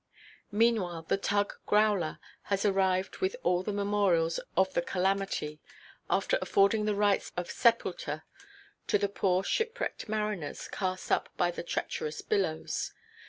Meanwhile, the tug Growler has arrived with all the memorials of the calamity, after affording the rites of sepulture to the poor shipwrecked mariners cast up by the treacherous billows.